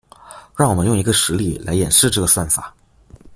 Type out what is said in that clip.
让我们用一个实例来演示这个算法。